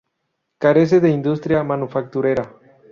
Carece de industria manufacturera.